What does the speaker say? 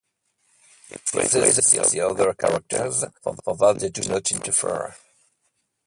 He freezes the other characters so that they do not interfere.